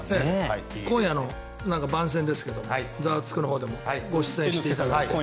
今夜の番宣ですけども「ザワつく！」のほうでもご出演していただいて。